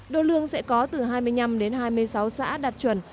đô lương sẽ có từ hai mươi năm đến hai mươi sáu xã đạt chuẩn